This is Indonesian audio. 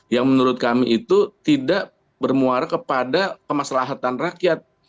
yang menurut kami itu tidak bermuara kepada kemaslahatan rakyat